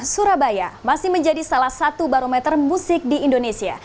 surabaya masih menjadi salah satu barometer musik di indonesia